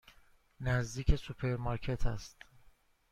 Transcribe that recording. نزدیک سوپرمارکت است.